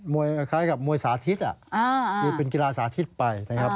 มวยคล้ายกับมวยสาธิตอ่ะอ่าอ่าเป็นกีฬาสาธิตไปนะครับ